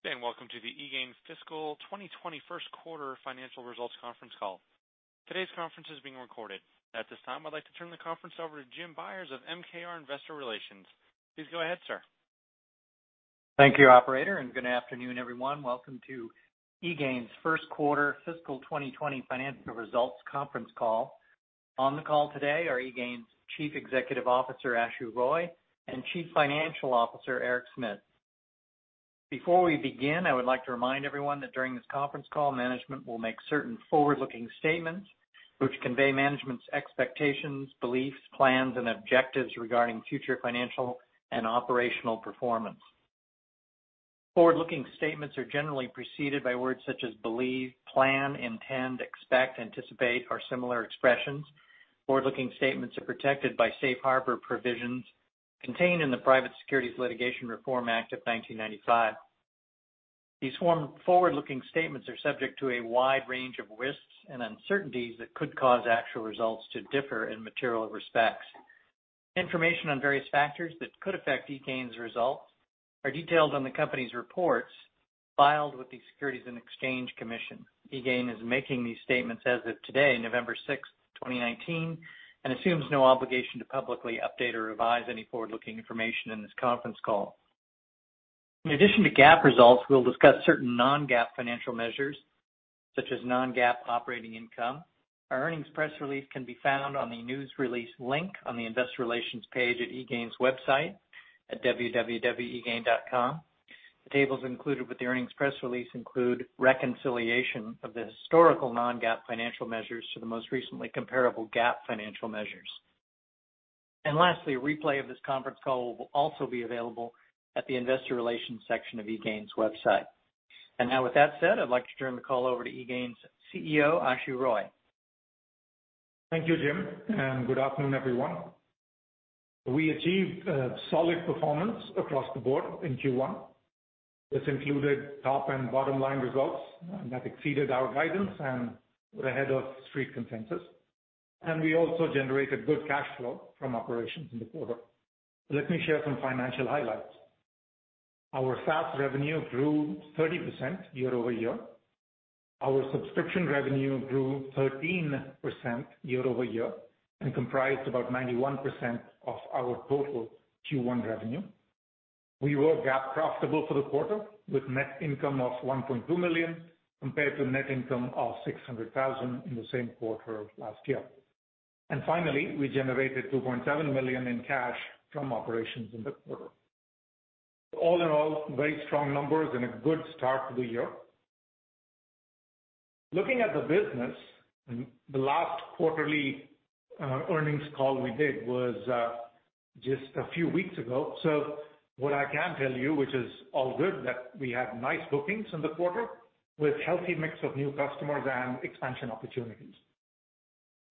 Welcome to the eGain Fiscal 2020 First Quarter Financial Results Conference Call. Today's conference is being recorded. At this time, I'd like to turn the conference over to Jim Byers of MKR Investor Relations. Please go ahead, sir. Thank you, operator, and good afternoon, everyone. Welcome to eGain's First Quarter Fiscal 2020 Financial Results Conference Call. On the call today are eGain's Chief Executive Officer, Ashu Roy, and Chief Financial Officer, Eric Smit. Before we begin, I would like to remind everyone that during this conference call, management will make certain forward-looking statements which convey management's expectations, beliefs, plans, and objectives regarding future financial and operational performance. Forward-looking statements are generally preceded by words such as believe, plan, intend, expect, anticipate, or similar expressions. Forward-looking statements are protected by Safe Harbor provisions contained in the Private Securities Litigation Reform Act of 1995. These forward-looking statements are subject to a wide range of risks and uncertainties that could cause actual results to differ in material respects. Information on various factors that could affect eGain's results are detailed on the company's reports filed with the Securities and Exchange Commission. eGain is making these statements as of today, November 6th, 2019. Assumes no obligation to publicly update or revise any forward-looking information in this conference call. In addition to GAAP results, we'll discuss certain non-GAAP financial measures, such as non-GAAP operating income. Our earnings press release can be found on the news release link on the investor relations page at eGain's website at www.egain.com. The tables included with the earnings press release include reconciliation of the historical non-GAAP financial measures to the most recently comparable GAAP financial measures. Lastly, a replay of this conference call will also be available at the investor relations section of eGain's website. Now with that said, I'd like to turn the call over to eGain's CEO, Ashu Roy. Thank you, Jim, and good afternoon, everyone. We achieved a solid performance across the board in Q1. This included top and bottom line results that exceeded our guidance and were ahead of Street consensus. We also generated good cash flow from operations in the quarter. Let me share some financial highlights. Our SaaS revenue grew 30% year-over-year. Our subscription revenue grew 13% year-over-year and comprised about 91% of our total Q1 revenue. We were GAAP profitable for the quarter, with net income of $1.2 million, compared to net income of $600,000 in the same quarter of last year. Finally, we generated $2.7 million in cash from operations in the quarter. All in all, very strong numbers and a good start to the year. Looking at the business, the last quarterly earnings call we did was just a few weeks ago. What I can tell you, which is all good, that we have nice bookings in the quarter with healthy mix of new customers and expansion opportunities.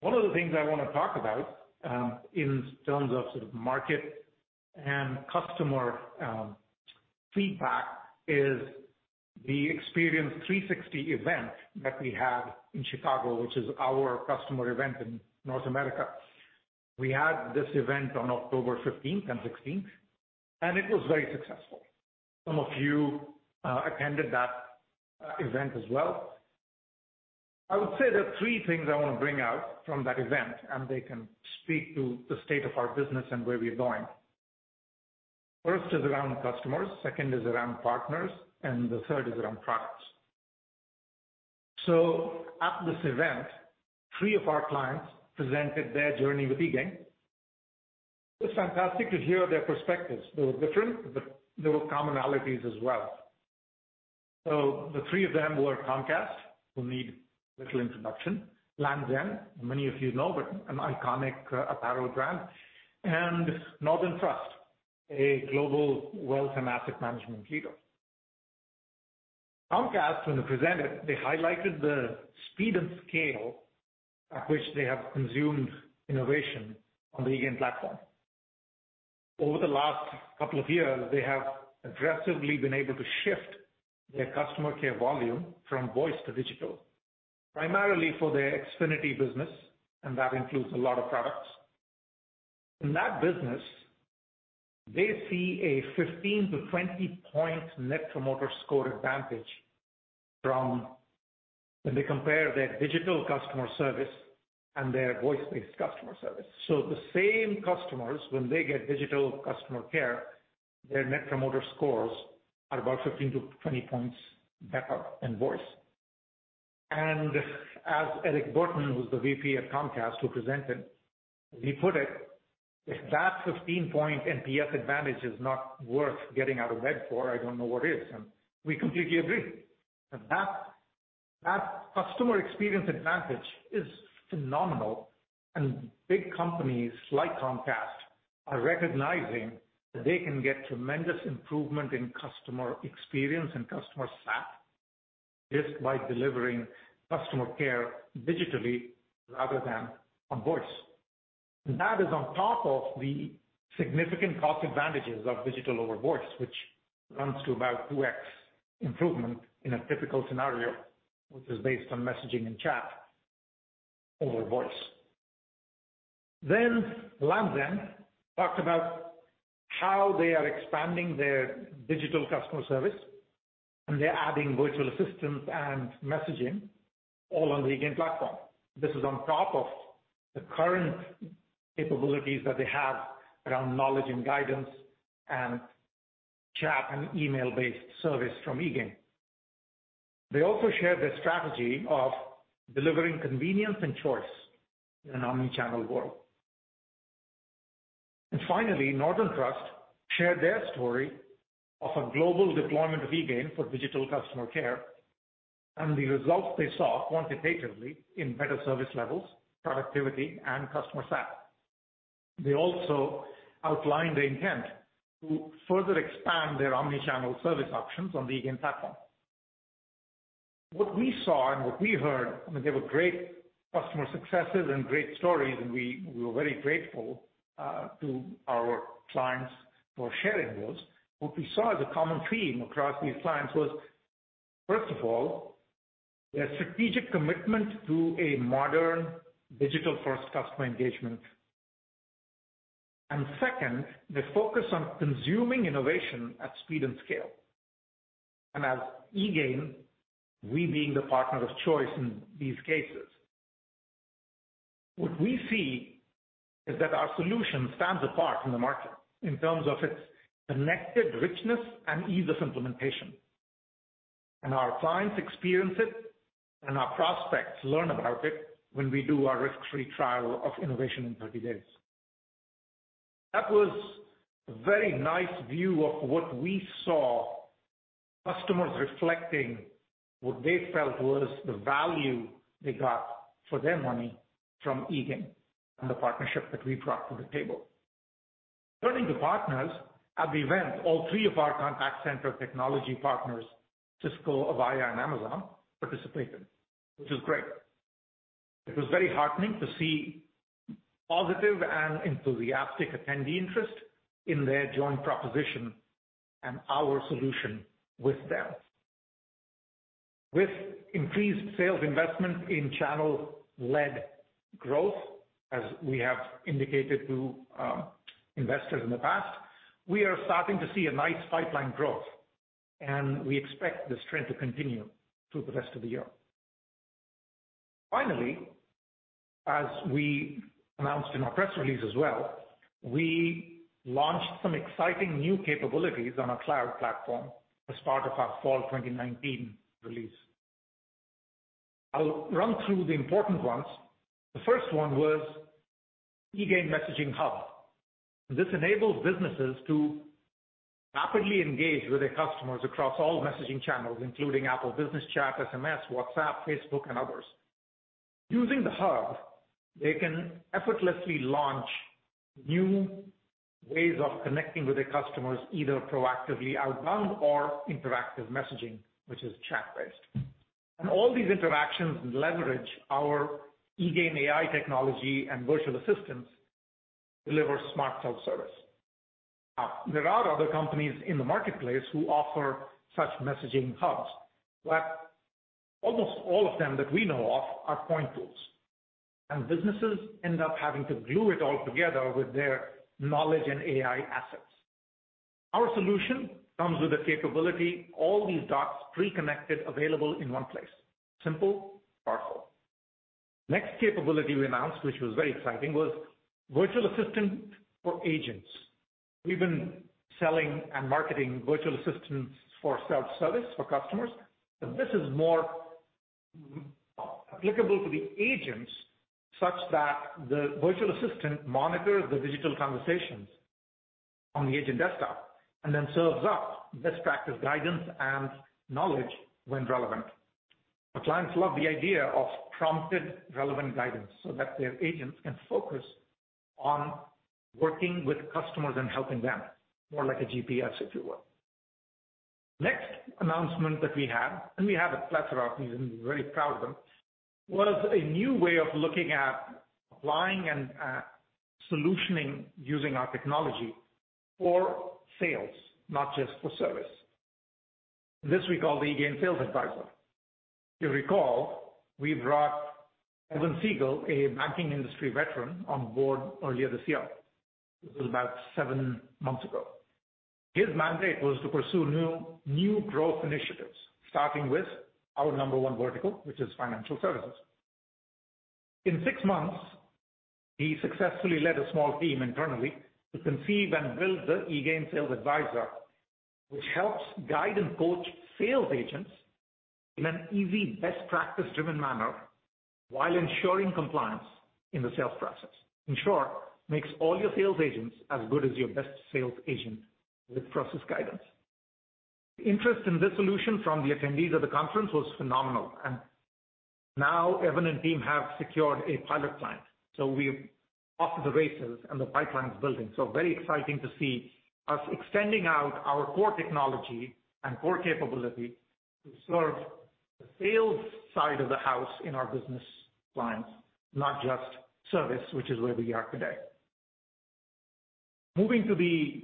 One of the things I want to talk about, in terms of sort of market and customer feedback, is the Experience 360 event that we had in Chicago, which is our customer event in North America. We had this event on October 15th and 16th, and it was very successful. Some of you attended that event as well. I would say there are three things I want to bring out from that event, and they can speak to the state of our business and where we're going. First is around customers, second is around partners, and the third is around products. At this event, three of our clients presented their journey with eGain. It was fantastic to hear their perspectives. They were different, but there were commonalities as well. The three of them were Comcast, who need little introduction. Lands' End, many of you know, but an iconic apparel brand. Northern Trust, a global wealth and asset management leader. Comcast, when they presented, they highlighted the speed and scale at which they have consumed innovation on the eGain platform. Over the last couple of years, they have aggressively been able to shift their customer care volume from voice to digital, primarily for their Xfinity business, and that includes a lot of products. In that business, they see a 15-20 point Net Promoter Score advantage from when they compare their digital customer service and their voice-based customer service. The same customers, when they get digital customer care, their Net Promoter Scores are about 15-20 points better than voice. As Erik Burton, who is the VP at Comcast, who presented, he put it, "If that 15-point NPS advantage is not worth getting out of bed for, I don't know what is." We completely agree. That customer experience advantage is phenomenal, and big companies like Comcast are recognizing that they can get tremendous improvement in customer experience and customer sat just by delivering customer care digitally rather than on voice. That is on top of the significant cost advantages of digital over voice, which runs to about 2X improvement in a typical scenario, which is based on messaging and chat over voice. Lands' End talked about how they are expanding their digital customer service, and they are adding virtual assistants and messaging all on the eGain platform. This is on top of the current capabilities that they have around knowledge and guidance and chat and email-based service from eGain. They also shared their strategy of delivering convenience and choice in an omnichannel world. Finally, Northern Trust shared their story of a global deployment of eGain for digital customer care and the results they saw quantitatively in better service levels, productivity, and customer sat. They also outlined the intent to further expand their omnichannel service options on the eGain platform. What we saw and what we heard, I mean, they were great customer successes and great stories, and we were very grateful to our clients for sharing those. What we saw as a common theme across these clients was, first of all, their strategic commitment to a modern digital-first customer engagement, and second, the focus on consuming innovation at speed and scale. As eGain, we being the partner of choice in these cases, what we see is that our solution stands apart in the market in terms of its connected richness and ease of implementation. Our clients experience it, and our prospects learn about it when we do our risk-free trial of innovation in 30 days. That was a very nice view of what we saw customers reflecting what they felt was the value they got for their money from eGain and the partnership that we brought to the table. Turning to partners, at the event, all three of our contact center technology partners, Cisco, Avaya, and Amazon, participated, which was great. It was very heartening to see positive and enthusiastic attendee interest in their joint proposition and our solution with them. With increased sales investment in channel-led growth, as we have indicated to investors in the past, we are starting to see a nice pipeline growth. We expect this trend to continue through the rest of the year. Finally, as we announced in our press release as well, we launched some exciting new capabilities on our cloud platform as part of our fall 2019 release. I'll run through the important ones. The first one was eGain Messaging Hub. This enables businesses to rapidly engage with their customers across all messaging channels, including Apple Business Chat, SMS, WhatsApp, Facebook, and others. Using the hub, they can effortlessly launch new ways of connecting with their customers, either proactively outbound or interactive messaging, which is chat-based. All these interactions leverage our eGain AI technology and virtual assistants deliver smart self-service. There are other companies in the marketplace who offer such messaging hubs, but almost all of them that we know of are point tools, and businesses end up having to glue it all together with their knowledge and AI assets. Our solution comes with the capability, all these dots pre-connected, available in one place. Simple, powerful. Capability we announced, which was very exciting, was virtual assistant for agents. We've been selling and marketing virtual assistants for self-service for customers, but this is more applicable to the agents, such that the virtual assistant monitors the digital conversations on the agent desktop and then serves up best practice guidance and knowledge when relevant. Our clients love the idea of prompted relevant guidance so that their agents can focus on working with customers and helping them, more like a GPS, if you will. Next announcement that we had, and we have a plethora of these, and we're very proud of them, was a new way of looking at applying and solutioning using our technology for sales, not just for service. This we call the eGain Sales Advisor. You recall, we brought Evan Siegel, a banking industry veteran, on board earlier this year. This was about seven months ago. His mandate was to pursue new growth initiatives, starting with our number one vertical, which is financial services. In six months, he successfully led a small team internally to conceive and build the eGain Sales Advisor, which helps guide and coach sales agents in an easy, best practice-driven manner while ensuring compliance in the sales process. In short, makes all your sales agents as good as your best sales agent with process guidance. Interest in this solution from the attendees of the conference was phenomenal. Now Evan and team have secured a pilot client. We're off to the races. The pipeline's building. Very exciting to see us extending out our core technology and core capability to serve the sales side of the house in our business clients, not just service, which is where we are today. Moving to the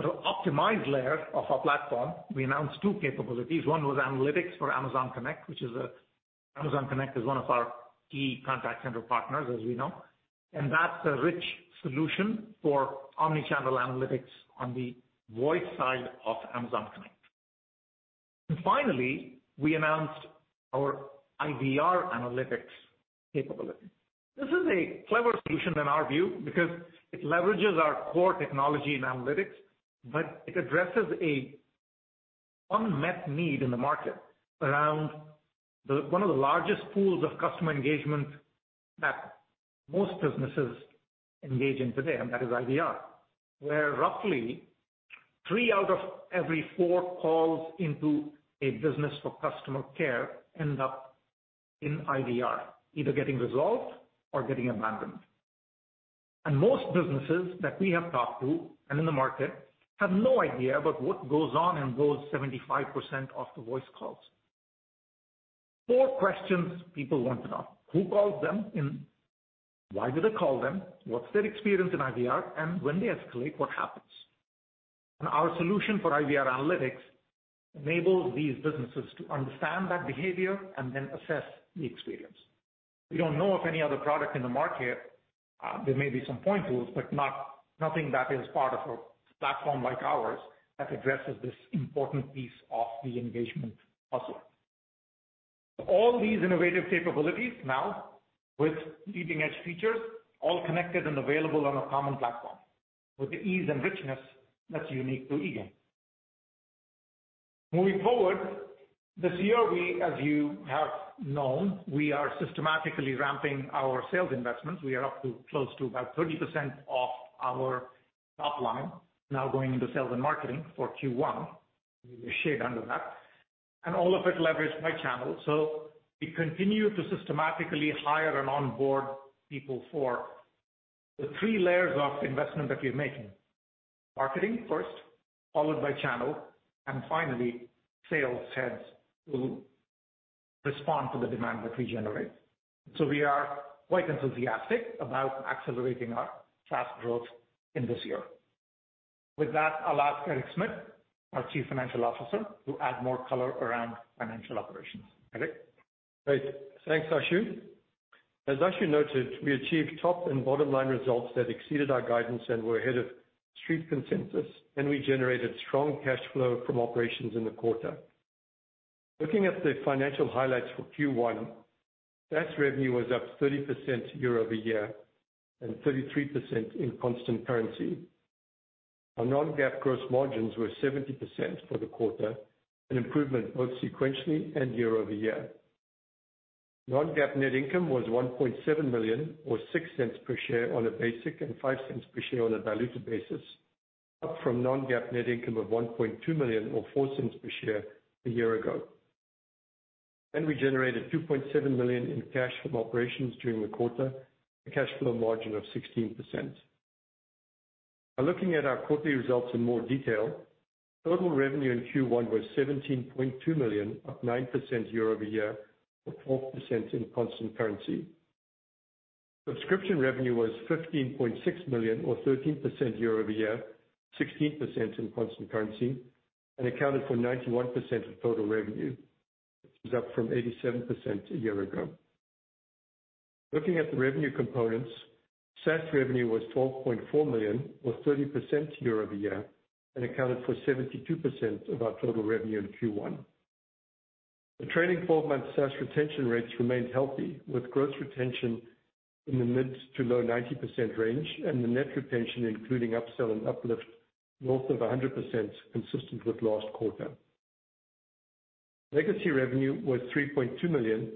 optimized layer of our platform, we announced two capabilities. One was analytics for Amazon Connect. Amazon Connect is one of our key contact center partners, as we know. That's a rich solution for omni-channel analytics on the voice side of Amazon Connect. Finally, we announced our IVR analytics capability. This is a clever solution in our view, because it leverages our core technology and analytics, it addresses a unmet need in the market around one of the largest pools of customer engagement that most businesses engage in today, that is IVR. Roughly three out of every four calls into a business for customer care end up in IVR, either getting resolved or getting abandoned. Most businesses that we have talked to and in the market have no idea about what goes on in those 75% of the voice calls. Four questions people want to know. Who called them and why did they call them? What's their experience in IVR? When they escalate, what happens? Our solution for IVR analytics enables these businesses to understand that behavior and then assess the experience. We don't know of any other product in the market. There may be some point tools, but nothing that is part of a platform like ours that addresses this important piece of the engagement puzzle. All these innovative capabilities now with leading-edge features, all connected and available on a common platform with the ease and richness that's unique to eGain. This year, as you have known, we are systematically ramping our sales investments. We are up to close to about 30% of our top line now going into sales and marketing for Q1. We'll share under that. All of it leveraged by channel. We continue to systematically hire and onboard people for the three layers of investment that we're making. Marketing first, followed by channel, and finally, sales heads who respond to the demand that we generate. We are quite enthusiastic about accelerating our fast growth in this year. With that, I'll ask Eric Smit, our Chief Financial Officer, to add more color around financial operations. Eric? Great. Thanks, Ashu. As Ashu noted, we achieved top and bottom line results that exceeded our guidance and were ahead of street consensus, and we generated strong cash flow from operations in the quarter. Looking at the financial highlights for Q1, SaaS revenue was up 30% year-over-year and 33% in constant currency. Our non-GAAP gross margins were 70% for the quarter, an improvement both sequentially and year-over-year. Non-GAAP net income was $1.7 million or $0.06 per share on a basic and $0.05 per share on a diluted basis, up from non-GAAP net income of $1.2 million or $0.04 per share a year ago. We generated $2.7 million in cash from operations during the quarter, a cash flow margin of 16%. Now looking at our quarterly results in more detail. Total revenue in Q1 was $17.2 million, up 9% year-over-year, or 12% in constant currency. Subscription revenue was $15.6 million or 13% year-over-year, 16% in constant currency, and accounted for 91% of total revenue, which was up from 87% a year ago. Looking at the revenue components, SaaS revenue was $12.4 million or 30% year-over-year and accounted for 72% of our total revenue in Q1. The trailing 12-month SaaS retention rates remained healthy, with gross retention in the mid-to-low 90% range and the net retention, including upsell and uplift, north of 100%, consistent with last quarter. Legacy revenue was $3.2 million,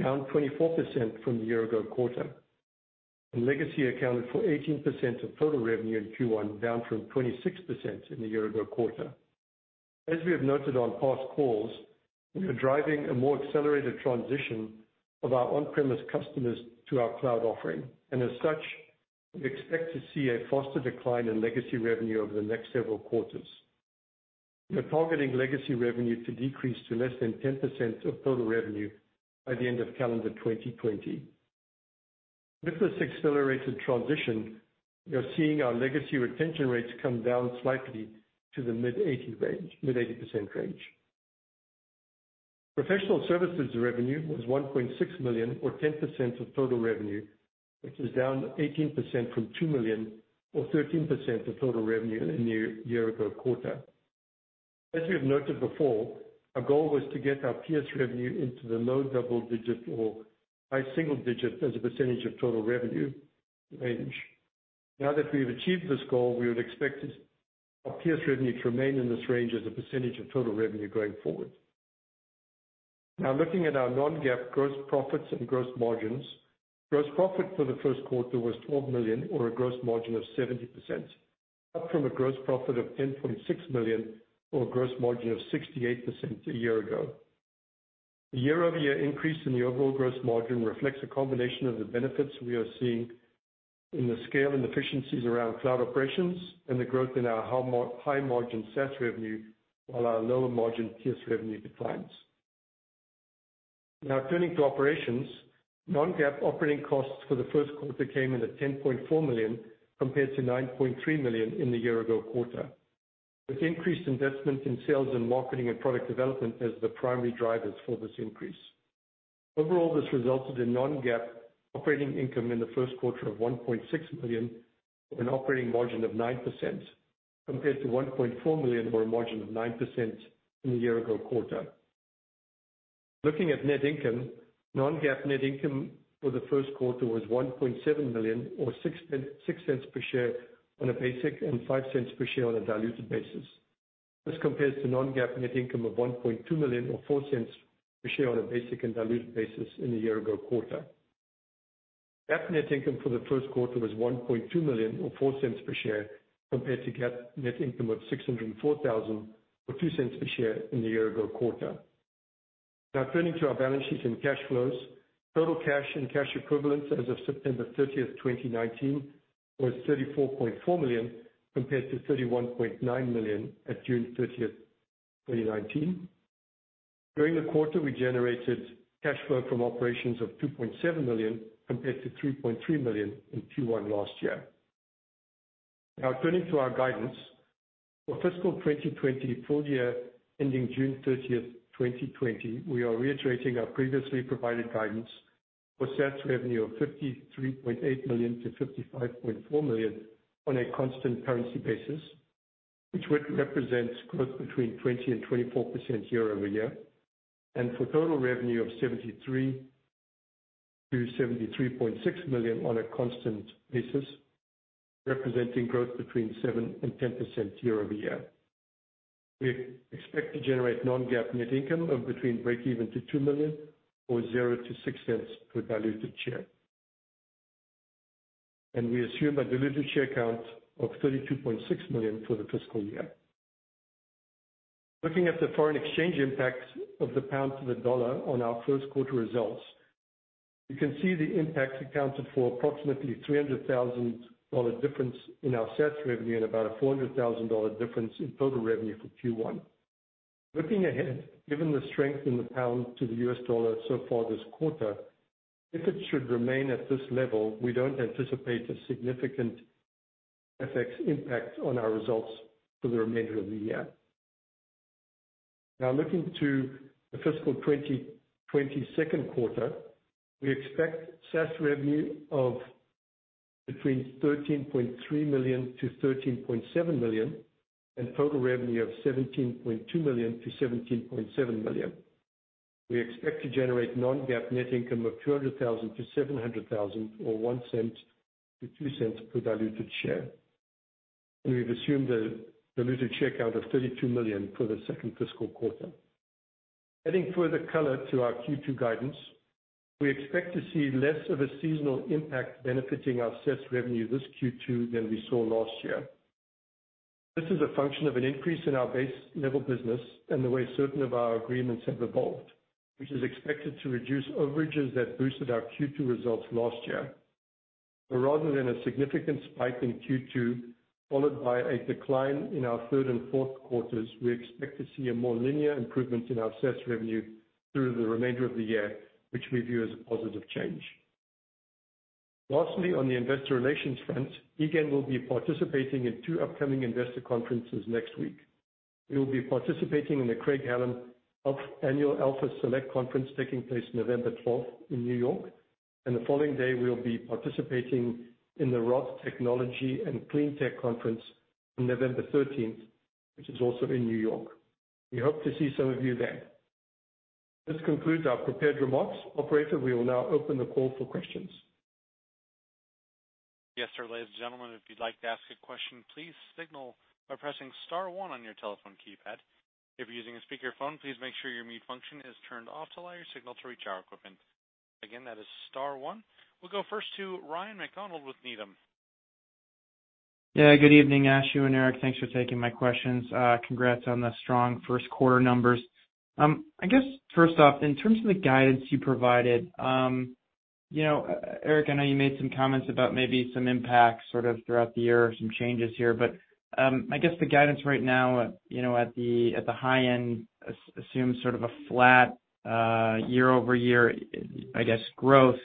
down 24% from the year-ago quarter, and legacy accounted for 18% of total revenue in Q1, down from 26% in the year-ago quarter. As we have noted on past calls, we are driving a more accelerated transition of our on-premise customers to our cloud offering, as such, we expect to see a faster decline in legacy revenue over the next several quarters. We're targeting legacy revenue to decrease to less than 10% of total revenue by the end of calendar 2020. With this accelerated transition, we are seeing our legacy retention rates come down slightly to the mid-80% range. Professional services revenue was $1.6 million or 10% of total revenue, which is down 18% from $2 million or 13% of total revenue in the year-ago quarter. As we have noted before, our goal was to get our PS revenue into the low double-digit or high single-digit as a percentage of total revenue range. That we've achieved this goal, we would expect our PS revenue to remain in this range as a percentage of total revenue going forward. Looking at our non-GAAP gross profits and gross margins. Gross profit for the first quarter was $12 million or a gross margin of 70%, up from a gross profit of $10.6 million or a gross margin of 68% a year ago. The year-over-year increase in the overall gross margin reflects a combination of the benefits we are seeing in the scale and efficiencies around cloud operations and the growth in our high margin SaaS revenue, while our lower margin PS revenue declines. Turning to operations. Non-GAAP operating costs for the first quarter came in at $10.4 million, compared to $9.3 million in the year-ago quarter, with increased investment in sales and marketing and product development as the primary drivers for this increase. Overall, this resulted in non-GAAP operating income in the first quarter of $1.6 million, with an operating margin of 9%, compared to $1.4 million, or a margin of 9%, in the year-ago quarter. Looking at net income, non-GAAP net income for the first quarter was $1.7 million, or $0.06 per share on a basic and $0.05 per share on a diluted basis. This compares to non-GAAP net income of $1.2 million or $0.04 per share on a basic and diluted basis in the year-ago quarter. GAAP net income for the first quarter was $1.2 million, or $0.04 per share, compared to GAAP net income of $604,000, or $0.02 per share in the year-ago quarter. Turning to our balance sheet and cash flows. Total cash and cash equivalents as of September 30th, 2019, was $34.4 million, compared to $31.9 million at June 30th, 2019. During the quarter, we generated cash flow from operations of $2.7 million, compared to $3.3 million in Q1 last year. Turning to our guidance. For fiscal 2020 full-year ending June 30th, 2020, we are reiterating our previously provided guidance for SaaS revenue of $53.8 million-$55.4 million on a constant currency basis, which would represent growth between 20%-24% year-over-year. For total revenue of $73 million-$73.6 million on a constant basis, representing growth between 7%-10% year-over-year. We expect to generate non-GAAP net income of between breakeven to $2 million or $0.00-$0.06 per diluted share. We assume a diluted share count of 32.6 million for the fiscal year. Looking at the foreign exchange impacts of the pound to the dollar on our first quarter results, you can see the impacts accounted for approximately $300,000 difference in our SaaS revenue and about a $400,000 difference in total revenue for Q1. Looking ahead, given the strength in the pound to the US dollar so far this quarter, if it should remain at this level, we don't anticipate a significant FX impact on our results for the remainder of the year. Looking to the fiscal 2020 second quarter, we expect SaaS revenue of between $13.3 million-$13.7 million and total revenue of $17.2 million-$17.7 million. We expect to generate non-GAAP net income of $200,000-$700,000 or $0.01-$0.02 per diluted share. We've assumed a diluted share count of 32 million for the second fiscal quarter. Adding further color to our Q2 guidance, we expect to see less of a seasonal impact benefiting our SaaS revenue this Q2 than we saw last year. This is a function of an increase in our base-level business and the way certain of our agreements have evolved, which is expected to reduce overages that boosted our Q2 results last year. Rather than a significant spike in Q2 followed by a decline in our third and fourth quarters, we expect to see a more linear improvement in our SaaS revenue through the remainder of the year, which we view as a positive change. Lastly, on the investor relations front, eGain will be participating in two upcoming investor conferences next week. We will be participating in the Craig-Hallum Annual Alpha Select Conference taking place November 12 in New York. The following day, we will be participating in the ROTH Technology & New Industrials Day on November 13, which is also in New York. We hope to see some of you there. This concludes our prepared remarks. Operator, we will now open the call for questions. Yes, sir. Ladies and gentlemen, if you'd like to ask a question, please signal by pressing star one on your telephone keypad. If you're using a speakerphone, please make sure your mute function is turned off to allow your signal to reach our equipment. Again, that is star one. We'll go first to Ryan MacDonald with Needham. Yeah, good evening, Ashu and Eric. Thanks for taking my questions. Congrats on the strong first quarter numbers. I guess first off, in terms of the guidance you provided, Eric, I know you made some comments about maybe some impacts sort of throughout the year or some changes here, but I guess the guidance right now at the high end assumes sort of a flat year-over-year, I guess, growth,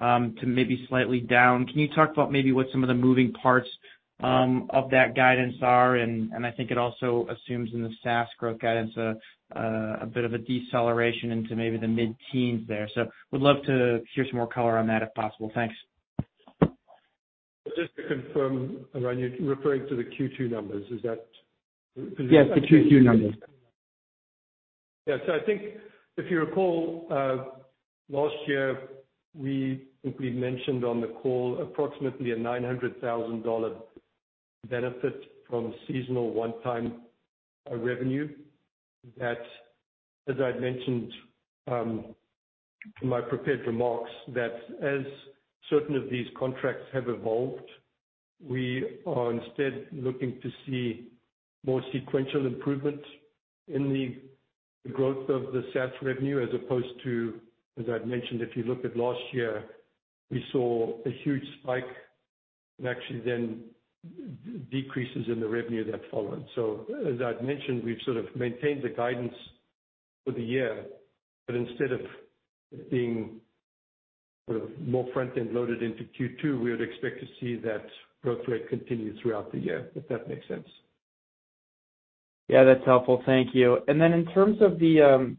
to maybe slightly down. Can you talk about maybe what some of the moving parts of that guidance are? I think it also assumes in the SaaS growth guidance a bit of a deceleration into maybe the mid-teens there. Would love to hear some more color on that if possible. Thanks. Just to confirm, Ryan, you're referring to the Q2 numbers. Is that? Yes, the Q2 numbers. I think if you recall, last year, we mentioned on the call approximately a $900,000 benefit from seasonal one-time revenue. As I mentioned in my prepared remarks, that as certain of these contracts have evolved, we are instead looking to see more sequential improvement in the growth of the SaaS revenue as opposed to, as I mentioned, if you look at last year, we saw a huge spike and actually then decreases in the revenue that followed. As I'd mentioned, we've sort of maintained the guidance for the year, but instead of it being more front-end loaded into Q2, we would expect to see that growth rate continue throughout the year, if that makes sense. Yeah, that's helpful. Thank you. In terms of the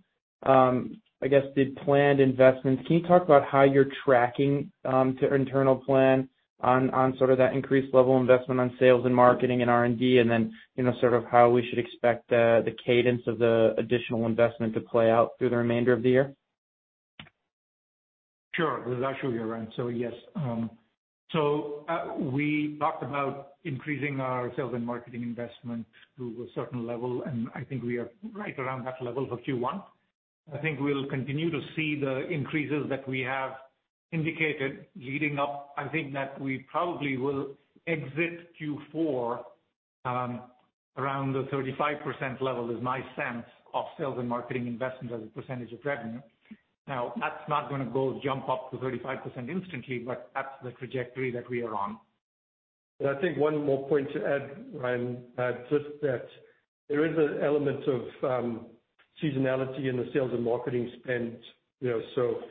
planned investments, can you talk about how you're tracking to internal plan on sort of that increased level investment on sales and marketing and R&D, and then, sort of how we should expect the cadence of the additional investment to play out through the remainder of the year? Yes. We talked about increasing our sales and marketing investment to a certain level, and I think we are right around that level for Q1. I think we'll continue to see the increases that we have indicated leading up. I think that we probably will exit Q4, around the 35% level is my sense of sales and marketing investments as a percentage of revenue. Now, that's not gonna go jump up to 35% instantly, but that's the trajectory that we are on. I think one more point to add, Ryan, just that there is an element of seasonality in the sales and marketing spend.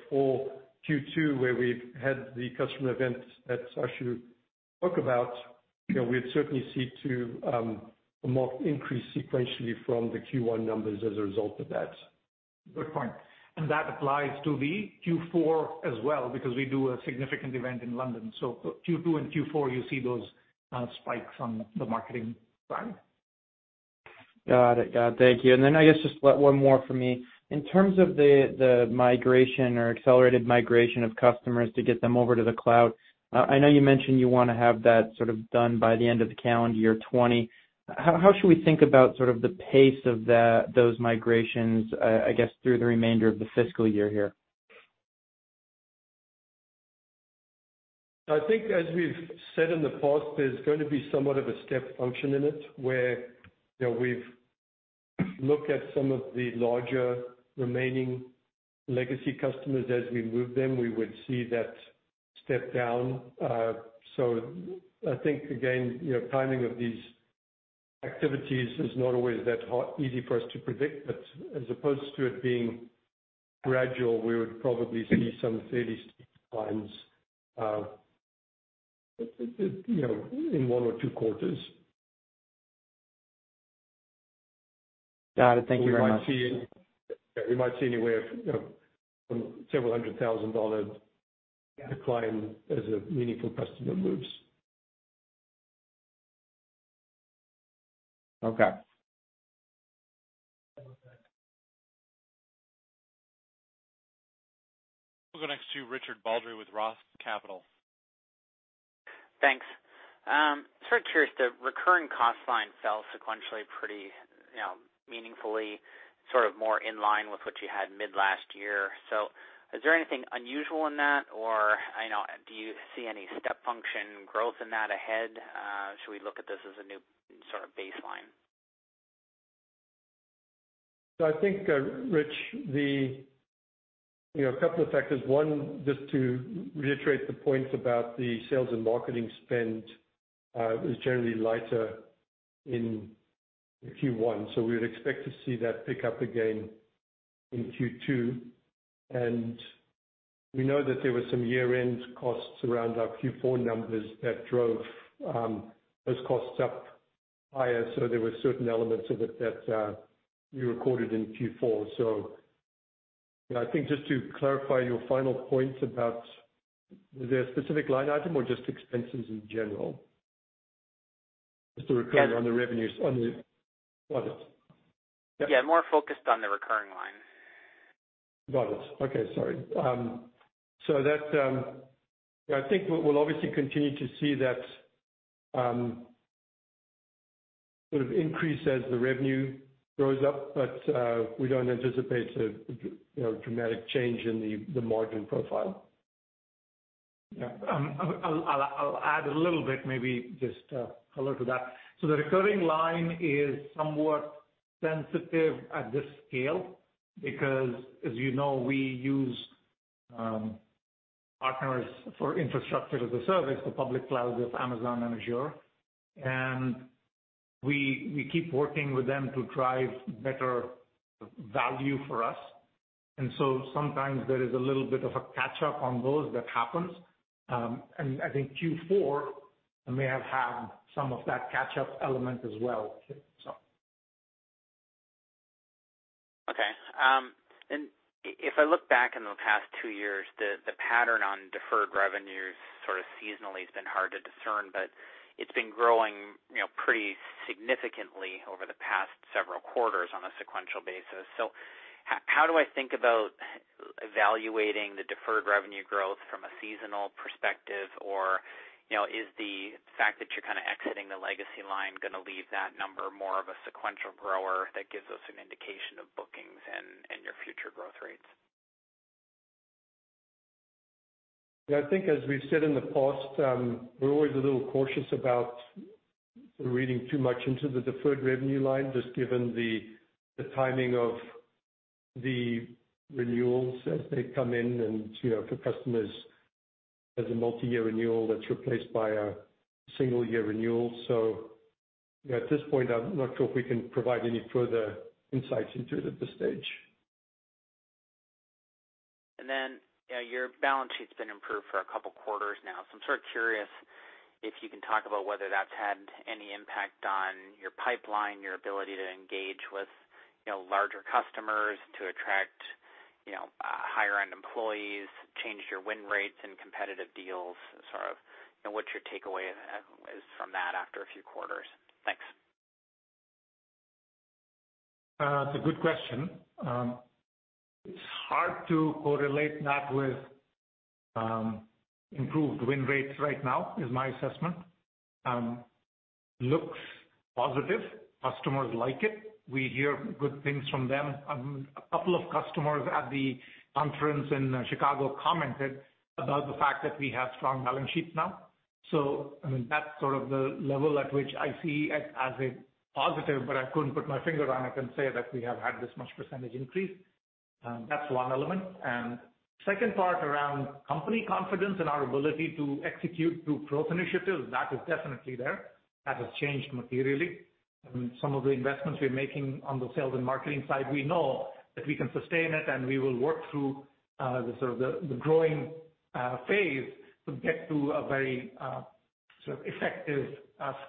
For Q2, where we've had the customer events that Ashu talk about, we'd certainly see to a more increase sequentially from the Q1 numbers as a result of that. Good point. That applies to the Q4 as well, because we do a significant event in London. Q2 and Q4, you see those spikes on the marketing side. Got it. Thank you. Then I guess just one more for me. In terms of the migration or accelerated migration of customers to get them over to the cloud, I know you mentioned you want to have that sort of done by the end of calendar year 2020. How should we think about sort of the pace of those migrations, I guess, through the remainder of the fiscal year here? I think as we've said in the past, there's going to be somewhat of a step function in it, where we've looked at some of the larger remaining legacy customers. As we move them, we would see that step down. I think again, timing of these activities is not always that easy for us to predict. As opposed to it being gradual, we would probably see some fairly steep declines in one or two quarters. Got it. Thank you very much. We might see anywhere from several hundred thousand dollar decline as a meaningful customer moves. Okay. We'll go next to Richard Baldry with ROTH Capital. Thanks. Sort of curious, the recurring cost line fell sequentially pretty meaningfully, sort of more in line with what you had mid last year. Is there anything unusual in that, or do you see any step function growth in that ahead? Should we look at this as a new sort of baseline? I think, Rich, a couple of factors. One, just to reiterate the point about the sales and marketing spend is generally lighter in Q1. We would expect to see that pick up again in Q2. We know that there were some year-end costs around our Q4 numbers that drove those costs up higher. There were certain elements of it that we recorded in Q4. I think just to clarify your final points about, is there a specific line item or just expenses in general as to recurring on the revenues on the budgets? More focused on the recurring line. Budgets. Okay, sorry. I think we'll obviously continue to see that sort of increase as the revenue goes up, but we don't anticipate a dramatic change in the margin profile. Yeah. I'll add a little bit maybe just color to that. The recurring line is somewhat sensitive at this scale because as you know, we use partners for infrastructure as a service, the public cloud with Amazon and Azure. We keep working with them to drive better value for us. Sometimes there is a little bit of a catch-up on those that happens. I think Q4 may have had some of that catch-up element as well. Okay. If I look back in the past two years, the pattern on deferred revenues sort of seasonally has been hard to discern, but it's been growing pretty significantly over the past several quarters on a sequential basis. How do I think about evaluating the deferred revenue growth from a seasonal perspective? Is the fact that you're kind of exiting the legacy line going to leave that number more of a sequential grower that gives us an indication of bookings and your future growth rates? Yeah, I think as we've said in the past, we're always a little cautious about reading too much into the deferred revenue line, just given the timing of the renewals as they come in and for customers as a multi-year renewal that's replaced by a single year renewal. At this point, I'm not sure if we can provide any further insights into it at this stage. Your balance sheet's been improved for a couple quarters now. I'm sort of curious if you can talk about whether that's had any impact on your pipeline, your ability to engage with larger customers to attract higher-end employees, changed your win rates in competitive deals, sort of what your takeaway is from that after a few quarters. Thanks. It's a good question. It's hard to correlate that with improved win rates right now, is my assessment. Looks positive. Customers like it. We hear good things from them. A couple of customers at the conference in Chicago commented about the fact that we have strong balance sheets now. That's sort of the level at which I see it as a positive, but I couldn't put my finger on it and say that we have had this much percentage increase. That's one element. Second part around company confidence in our ability to execute through growth initiatives, that is definitely there. That has changed materially. Some of the investments we're making on the sales and marketing side, we know that we can sustain it, and we will work through the sort of the growing phase to get to a very effective,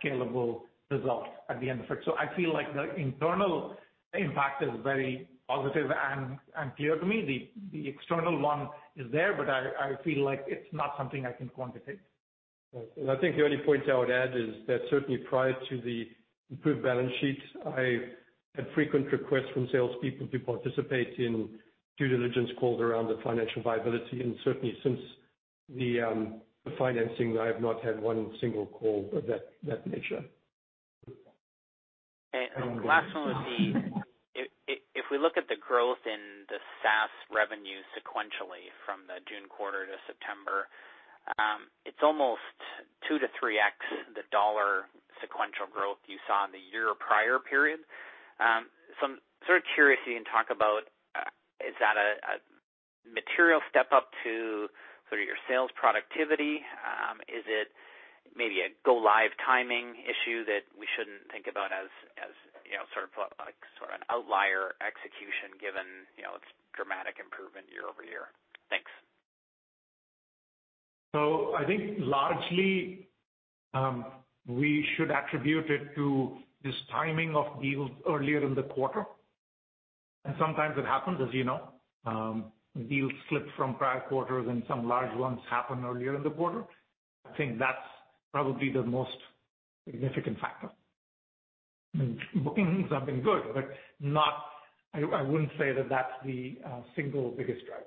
scalable result at the end effect. I feel like the internal impact is very positive and clear to me. The external one is there, but I feel like it's not something I can quantitate. I think the only point I would add is that certainly prior to the improved balance sheet, I had frequent requests from salespeople to participate in due diligence calls around the financial viability. Certainly, since the financing, I have not had one single call of that nature. Last one would be, if we look at the growth in the SaaS revenue sequentially from the June quarter to September, it's almost 2 to 3x the dollar sequential growth you saw in the year prior period. I'm sort of curious if you can talk about, is that a material step up to sort of your sales productivity? Is it maybe a go live timing issue that we shouldn't think about as sort of an outlier execution given its dramatic improvement year-over-year? Thanks. I think largely, we should attribute it to this timing of deals earlier in the quarter. Sometimes it happens, as you know. Deals slip from prior quarters and some large ones happen earlier in the quarter. I think that's probably the most significant factor. Bookings have been good, but I wouldn't say that that's the single biggest driver.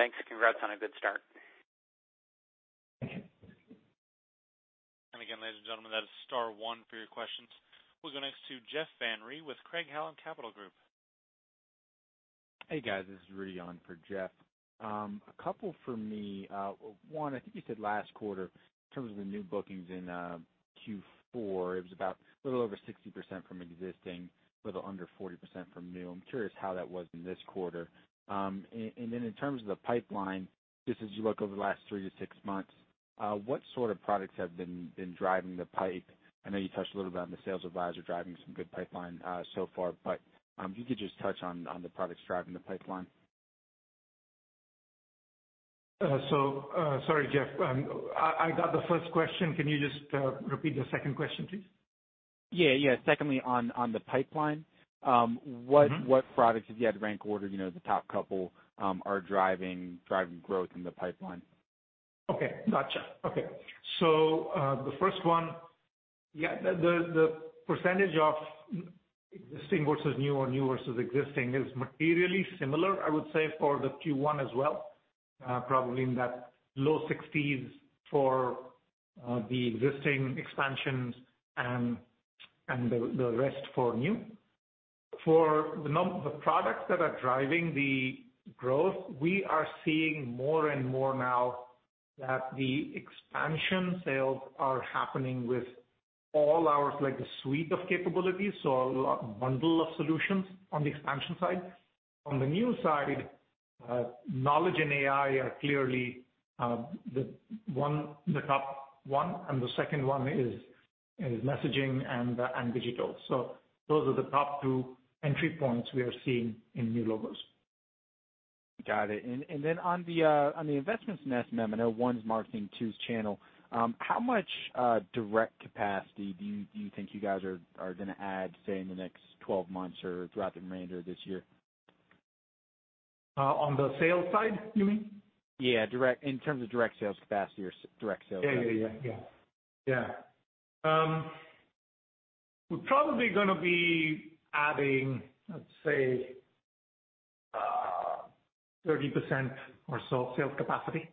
Thanks. Congrats on a good start. Thank you. Again, ladies and gentlemen, that is star one for your questions. We will go next to Jeff Van Rhee with Craig-Hallum Capital Group. Hey, guys, this is Rudy on for Jeff. Two for me. One, I think you said last quarter in terms of the new bookings in Q4, it was about a little over 60% from existing, a little under 40% from new. I'm curious how that was in this quarter. In terms of the pipeline, just as you look over the last three to six months, what sort of products have been driving the pipe? I know you touched a little about the Sales Advisor driving some good pipeline so far, if you could just touch on the products driving the pipeline. Sorry, Jeff, I got the first question. Can you just repeat the second question, please? Yeah. Secondly, on the pipeline. What products, if you had to rank order, the top couple are driving growth in the pipeline? Okay, gotcha. The first one, yeah, the percentage of existing versus new or new versus existing is materially similar, I would say for the Q1 as well. Probably in that low 60s for the existing expansions and the rest for new. For the products that are driving the growth, we are seeing more and more now that the expansion sales are happening with all our suite of capabilities, so a bundle of solutions on the expansion side. On the new side, knowledge and AI are clearly the top one, and the second one is messaging and digital. Those are the top two entry points we are seeing in new logos. Got it. Then on the investments in S&M, I know one's marketing, two's channel, how much direct capacity do you think you guys are going to add, say, in the next 12 months or throughout the remainder of this year? On the sales side, you mean? Yeah, in terms of direct sales capacity or direct sales. Yeah. We're probably going to be adding, let's say, 30% or so sales capacity.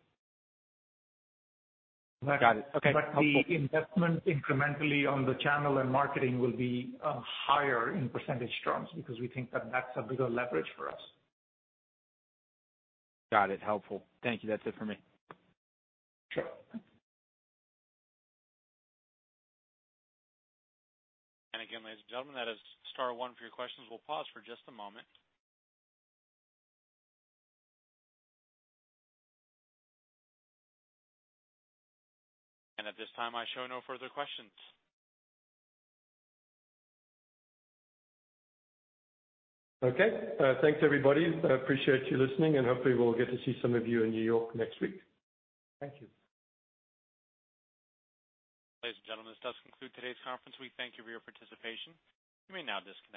Got it. Okay. The investment incrementally on the channel and marketing will be higher in percentage terms because we think that that's a bigger leverage for us. Got it. Helpful. Thank you. That's it for me. Sure. Again, ladies and gentlemen, that is star one for your questions. We'll pause for just a moment. At this time, I show no further questions. Okay. Thanks, everybody. I appreciate you listening, and hopefully we'll get to see some of you in New York next week. Thank you. Ladies and gentlemen, this does conclude today's conference. We thank you for your participation. You may now disconnect.